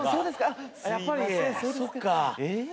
やっぱりそっか。